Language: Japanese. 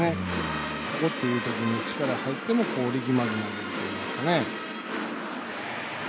ここっていう時に力が入っても力まないといいますかね。